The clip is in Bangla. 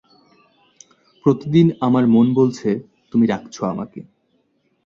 প্রতিদিন আমার মন বলেছে তুমি ডাকছ আমাকে।